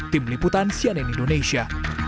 tim liputan sianen indonesia